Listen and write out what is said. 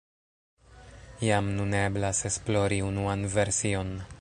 Jam nun eblas esplori unuan version.